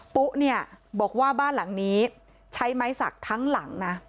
ปุ๊เนี่ยบอกว่าบ้านหลังนี้ใช้ไม้สักทั้งหลังนะ